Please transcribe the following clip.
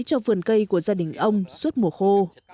cho vườn cây của gia đình ông suốt mùa khô